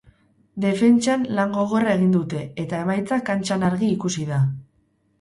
Defentsan lan gogorra egin dute, eta emaitza kantxan argi ikusi da.